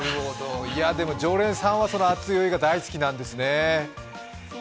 常連さんはその熱いお湯が大好きなんですね。